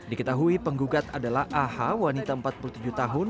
diketahui penggugat adalah aha wanita empat puluh tujuh tahun